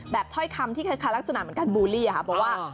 แบบถ้อยคำที่คลักษณะเหมือนการบูลลี่อะค่ะบอกว่า